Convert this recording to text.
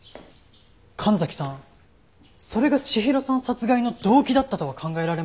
神崎さんそれが千尋さん殺害の動機だったとは考えられませんか？